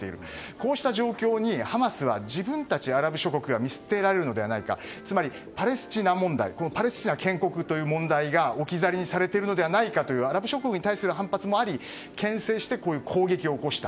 こうした状況にハマスは自分たちアラブ諸国が見捨てられるのではないかつまりパレスチナ問題パレスチナ建国という問題が置き去りにされているのではないかというアラブ諸国に対する反発もあり牽制してこういう攻撃を起こした。